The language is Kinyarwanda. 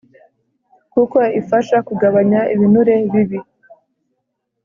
kuko ifasha kugabanya ibinure bibi